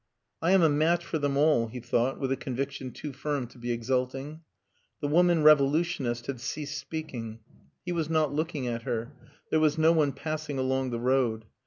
"I am a match for them all," he thought, with a conviction too firm to be exulting. The woman revolutionist had ceased speaking; he was not looking at her; there was no one passing along the road.